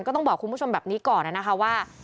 ต้องบอกคุณผู้ชมแบบนี้ก่อนนะคะว่า